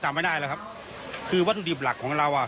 จำไม่ได้แล้วครับคือวัตถุดิบหลักของเราอ่ะ